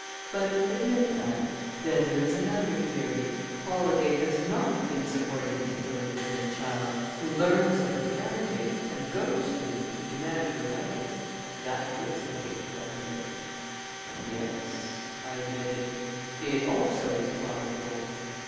"But, admit that then there is another theory. Holladay has not been supporting his illegitimate child, who learns of her parentage, and goes to him to demand her rights. That fits the case, doesn't it?" "Yes," I admitted. "It, also, is plausible."